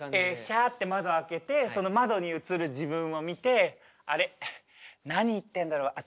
シャッて窓開けてその窓に映る自分を見て「あれ？何言ってんだろ私」。